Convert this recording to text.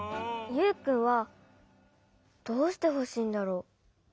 ユウくんはどうしてほしいんだろう？